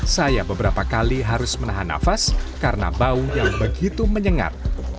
saya beberapa kali harus menahan nafas karena bau yang begitu menyengat